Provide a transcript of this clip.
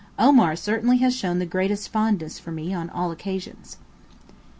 Omar certainly has shown the greatest fondness for me on all occasions.